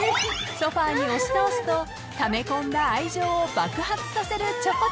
［ソファに押し倒すとため込んだ愛情を爆発させるチョコちゃん］